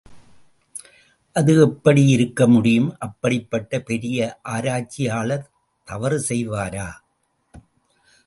அது எப்படி இருக்க முடியும் அப்படிப்பட்ட பெரிய ஆராய்ச்சியாளர் தவறு செய்வாரா?